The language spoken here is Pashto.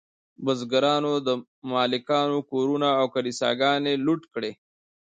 بزګرانو د مالکانو کورونه او کلیساګانې لوټ کړې.